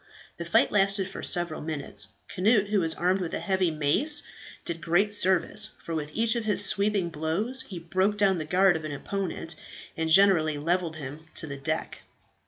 The fight lasted for several minutes. Cnut who was armed with a heavy mace, did great service, for with each of his sweeping blows he broke down the guard of an opponent, and generally levelled him to the deck.